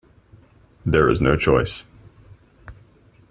There is no choice.